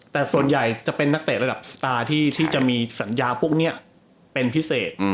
แต่ส่วนใหญ่จะเป็นนักเตะระดับสตาร์ที่จะมีสัญญาพวกนี้เป็นพิเศษ